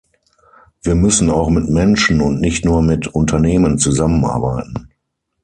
Wir müssen auch mit Menschen und nicht nur mit Unternehmen zusammenarbeiten.